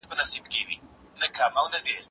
ذهني حالتونه بدلېدونکي دي.